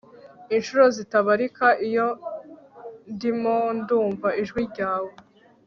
incuro zitabarika Iyo ndimo ndumva ijwi ryawe